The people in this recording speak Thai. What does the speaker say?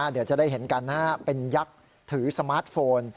เดี๋ยวจะได้เห็นกันเป็นยักษ์ถือสมาร์ทโฟน